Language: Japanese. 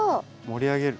盛り上げる。